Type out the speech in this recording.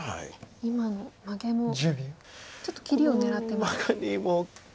今のマゲもちょっと切りを狙ってますか。